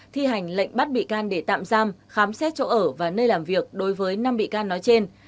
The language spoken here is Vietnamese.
thi hành lệnh bắt bị can để tạm giam khám xét chỗ ở và nơi làm việc đối với năm bị can nói trên